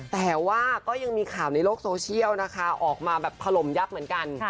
แต่ว่าก็ยังมีข่าวในโลกโซเชียลนะคะออกมาแบบถล่มยับเหมือนกัน